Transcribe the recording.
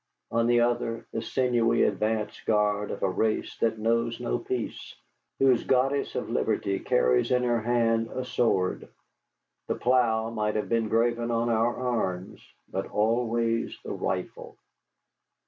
On the other, the sinewy advance guard of a race that knows not peace, whose goddess of liberty carries in her hand a sword. The plough might have been graven on our arms, but always the rifle.